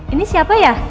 ini siapa ya